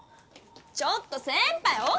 ちょっとせんぱい！